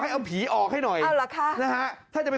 คือเป็นอะไร